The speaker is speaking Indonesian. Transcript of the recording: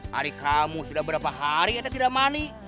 hari kamu sudah berapa hari teh tidak mandi